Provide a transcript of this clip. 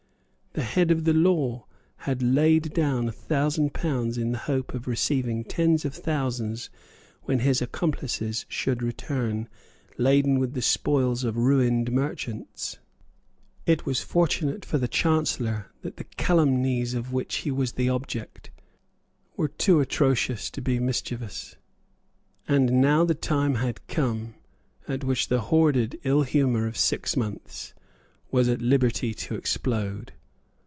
The head of the law had laid down a thousand pounds in the hope of receiving tens of thousands when his accomplices should return, laden with the spoils of ruined merchants. It was fortunate for the Chancellor that the calumnies of which he was the object were too atrocious to be mischievous. And now the time had come at which the hoarded illhumour of six months was at liberty to explode.